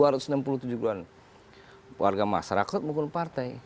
dua ratus enam puluh tujuh ribuan warga masyarakat menggunakan partai